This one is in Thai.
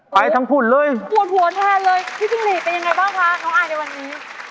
ไปทั้งผุดเลยหัวแทนเลยพี่จุฬิเป็นยังไงบ้างคะน้องอายในวันนี้